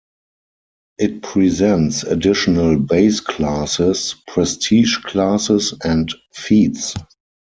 It presents additional base classes, prestige classes, and feats.